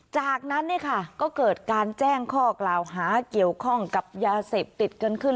จากนั้นเนี่ยค่ะก็เกิดการแจ้งข้อกล่าวหาเกี่ยวข้องกับยาเสพติดกันขึ้น